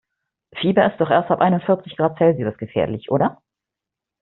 Fieber ist doch erst ab einundvierzig Grad Celsius gefährlich, oder?